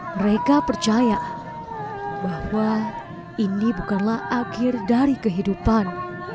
mereka percaya bahwa ini bukanlah akhir dari kehidupan